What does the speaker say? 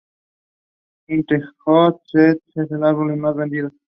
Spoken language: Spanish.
In the Hot Seat es su álbum menos vendido.